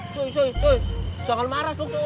cuy cuy cuy jangan marah suksu